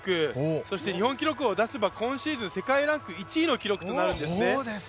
そして、日本記録を出せば今シーズン世界ランキング１位の記録となるわけですね。